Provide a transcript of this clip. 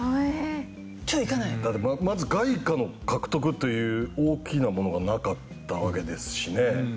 だってまず外貨の獲得という大きなものがなかったわけですしね。